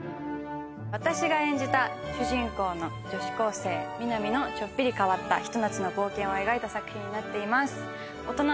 私が演じた主人公の女子高生・美波のちょっぴり変わった、ひと夏の冒険を描いた作品になっています。